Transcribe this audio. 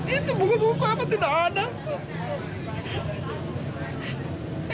itu buku buku apa tidak ada